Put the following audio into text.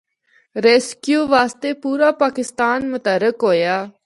ریسکیو واسطے پورا پاکستان متحرک ہویا۔